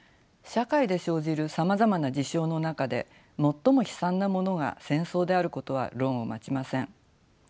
社会で生じるさまざまな事象の中で最も悲惨なものが戦争であることは論を待ちません。